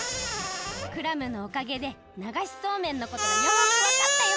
クラムのおかげでながしそうめんのことがよくわかったよ！